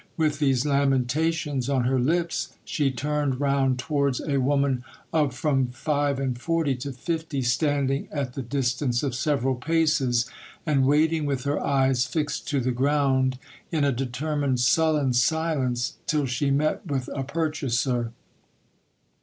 With these lamentations on her lips, she turned round towards a woman of from five and forty to fifty, standing at the distance of several paces, and waiting with her eyes fixed to the ground, in a determined, sullen silence, HISTOR Y OF DON RAPHAEL. till she met with a purchaser.